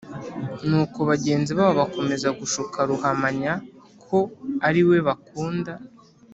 nuko bagenzi babo bakomeza gushuka ruhamanya ko ari we bakunda